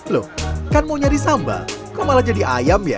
loh kan mau nyari sambal kok malah jadi ayam ya